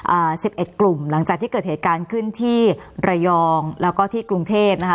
อ่าสิบเอ็ดกลุ่มหลังจากที่เกิดเหตุการณ์ขึ้นที่ระยองแล้วก็ที่กรุงเทพนะคะ